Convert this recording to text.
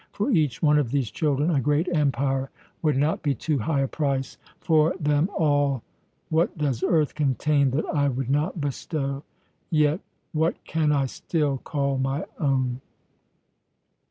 For each one of these children a great empire would not be too high a price; for them all What does earth contain that I would not bestow? Yet what can I still call my own?"